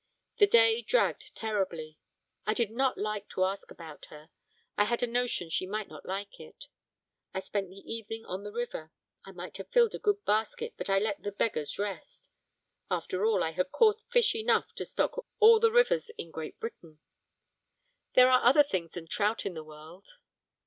The day dragged terribly. I did not like to ask about her, I had a notion she might not like it. I spent the evening on the river. I might have filled a good basket, but I let the beggars rest. After all, I had caught fish enough to stock all the rivers in Great Britain. There are other things than trout in the world.